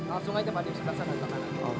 langsung aja pake tempat yang suka sana ke kanan